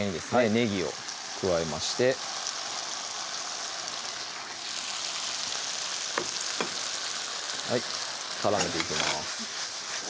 ねぎを加えまして絡めていきます